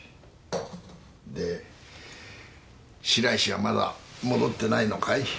で白石はまだ戻ってないのかい？